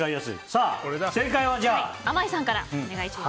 正解はあまいさんから。